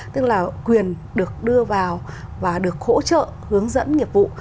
tức là quyền được đưa vào và được hỗ trợ hướng dẫn nghiệp vụ